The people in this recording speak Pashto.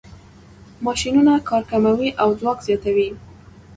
ماشینونه کار کموي او ځواک زیاتوي.